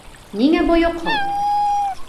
Ниңә бойоҡһоң?